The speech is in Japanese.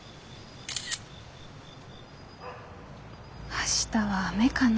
明日は雨かな。